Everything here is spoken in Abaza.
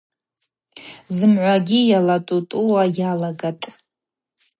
Зымгӏвагьи йалатӏутӏууа йалагатӏ.